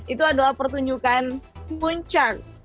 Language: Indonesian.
itu adalah pertunjukan puncak